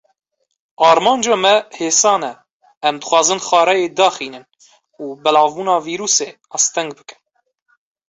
Armanca me hêsan e, em dixwazin xareyê daxînin, û belavbûna vîrusê asteng bikin.